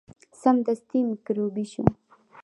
سمدستي میکروبي شو.